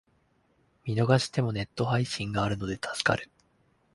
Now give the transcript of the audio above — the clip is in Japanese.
見逃してもネット配信があるので助かる